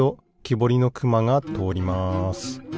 ぼりのくまがとおります。